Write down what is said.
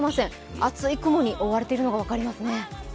厚い雲に覆われているのが分かりますね。